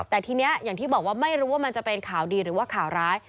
แต่ทีนี้อย่างที่บอกว่าไม่รู้ว่ามันจะเป็นข่าวดีหรือว่าข่าวร้าย